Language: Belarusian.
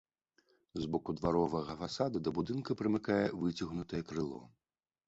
З боку дваровага фасада да будынка прымыкае выцягнутае крыло.